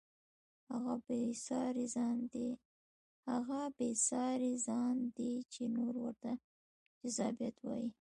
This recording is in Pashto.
هغه بې ساري ځان دی چې نور ورته جذابیت وایي.